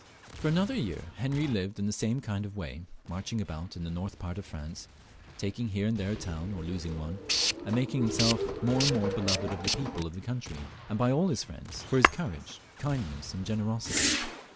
For another year Henry lived in the same kind of way, marching about in the north part of France, taking here and there a town, or losing one ; and making himself more and more beloved by the people of the country, and by all his Mends, for his courage, kindness, and generosity.